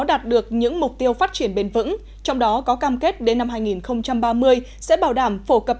đạt được những mục tiêu phát triển bền vững trong đó có cam kết đến năm hai nghìn ba mươi sẽ bảo đảm phổ cập